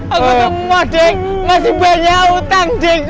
aku kemah dek masih banyak utang dek